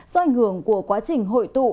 do ảnh hưởng của quá trình hội tụ